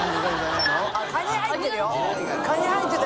△カニ入ってるよ？